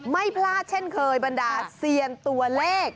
ไม่พลาดเช่นเคยบรรดาเซียนตัวเลข